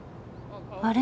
あれ？